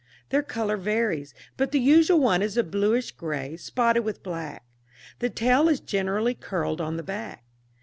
Their colour varies, but the usual one is a bluish grey, spotted with black. The tail is generally curled on the back.